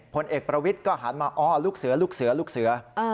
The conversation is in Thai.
พลเอกประวิทย์ก็หันมาอ๋อลุงเศรือ